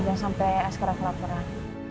jangan sampai askar aku lapuran